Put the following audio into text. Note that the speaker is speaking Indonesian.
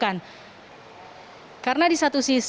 karena di satu sisi mereka akan memberikan keterangan sebagai seorang saksi